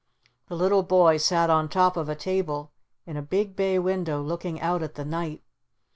The little boy sat on top of a table in a big bay window looking out at the night.